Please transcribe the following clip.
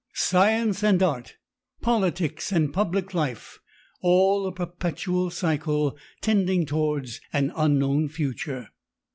Science and art, politics and public life all a perpetual circle tending towards an unknown future...."